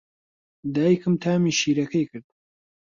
دایکم تامی شیرەکەی کرد.